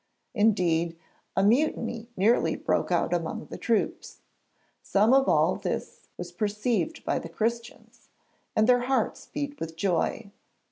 Indeed, a mutiny nearly broke out among the troops. Some of all this was perceived by the Christians, and their hearts beat with joy.